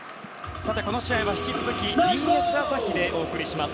この試合は、引き続きＢＳ朝日でお送りします。